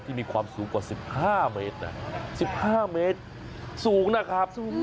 ที่มีความสูงกว่า๑๕เมตรสูงนะครับ